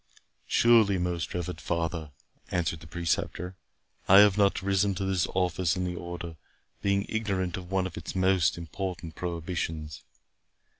'" 51 "Surely, most reverend father," answered the Preceptor, "I have not risen to this office in the Order, being ignorant of one of its most important prohibitions."